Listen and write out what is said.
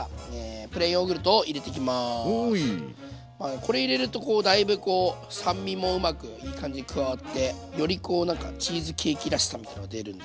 これ入れるとだいぶこう酸味もうまくいい感じに加わってよりこうなんかチーズケーキらしさみたいの出るんで。